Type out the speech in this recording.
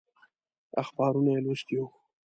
اخبارونه یې لوستي وو.